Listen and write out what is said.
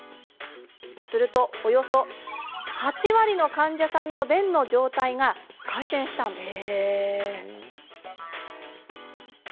すると、およそ８割の患者さんの便の状態が改善したんです。